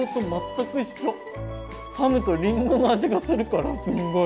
かむとりんごの味がするからすんごい。